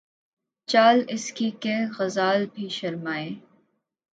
چال اس کی کہ، غزال بھی شرمائیں